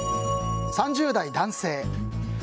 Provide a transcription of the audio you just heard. ３０代、男性。